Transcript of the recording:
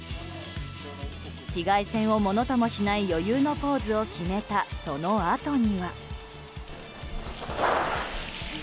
紫外線をものともしない余裕のポーズを決めた、そのあとには。